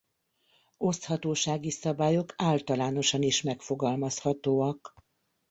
Oszthatósági szabályok általánosan is megfogalmazhatóak.